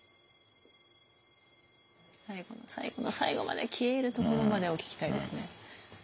最後の最後の最後まで消え入るところまでを聞きたいですね。